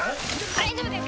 大丈夫です